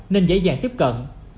nên dễ dàng tiếp cận